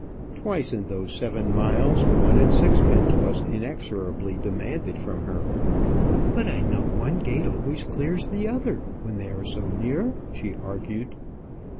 Twice in those seven miles one and sixpence was inexorably demanded from her. "But I know one gate always clears the other, when they are so near," she argued.